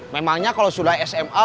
memangnya kalau sudah sma